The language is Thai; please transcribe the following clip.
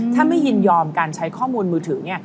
ถ้าไม่ยินยอมการใช้ข้อมูลมือถือ